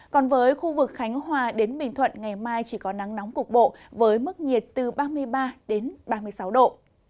còn với khu vực khánh hòa đến bình thuận ngày mai chỉ có nắng nóng cục bộ với mức nhiệt từ ba mươi ba đến ba mươi sáu độ